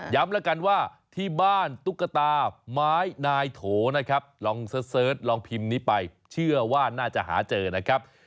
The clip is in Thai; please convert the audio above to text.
แล้วกันว่าที่บ้านตุ๊กตาไม้นายโถนะครับลองเสิร์ชลองพิมพ์นี้ไปเชื่อว่าน่าจะหาเจอนะครับ